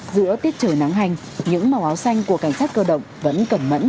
giữa tiết trời nắng hành những màu áo xanh của cảnh sát cơ động vẫn cẩn mẫn